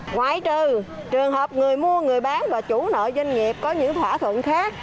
ngoại trừ trường hợp người mua người bán và chủ nợ doanh nghiệp có những thỏa thuận khác